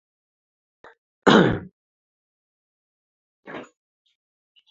• Bulut bor ― yomg‘ir bor.